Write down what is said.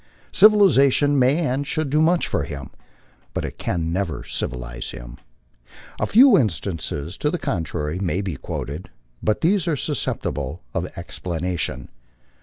Civilization may and should do much for him, but it can never civilize him. A few instances to the contrary may be quoted, but these are susceptible of explanation.